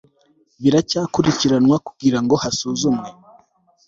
biracyakurikiranwa kugira ngo hasuzumwe